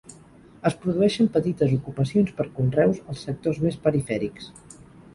Es produeixen petites ocupacions per conreus als sectors més perifèrics.